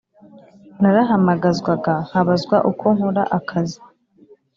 narahamagazwaga nkabazwa uko nkora akazi."